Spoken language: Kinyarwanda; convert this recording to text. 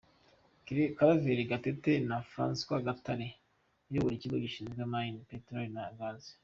Claver Gatete na Francis Gatare uyobora Ikigo gishinzwe Mine, Peteroli na Gaz.